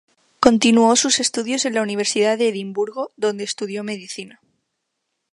Continuó sus estudios en la Universidad de Edimburgo, donde estudió medicina.